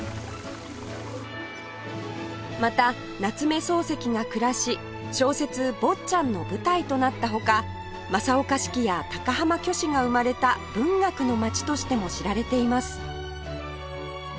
また夏目漱石が暮らし小説『坊っちゃん』の舞台となったほか正岡子規や高浜虚子が生まれた「文学のまち」としても知られています